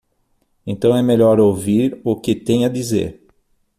Então é melhor ouvir o que tem a dizer.